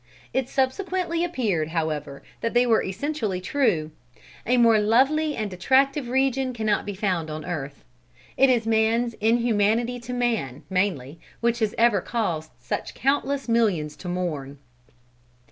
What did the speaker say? It subsequently appeared, however, that they were essentially true. A more lovely and attractive region cannot be found on earth. It is man's inhumanity to man, mainly, which has ever caused such countless millions to mourn.